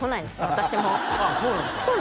私もああそうなんですか